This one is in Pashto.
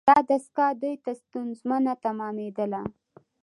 دا دستگاه دوی ته ستونزمنه تمامیدله.